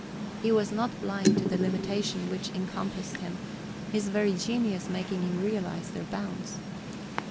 He was not blind to the limitations which encompassed him, his very genius making him realize their bounds.